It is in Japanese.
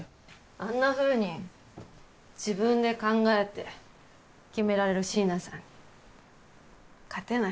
あんなふうに自分で考えて決められる椎名さんに勝てない。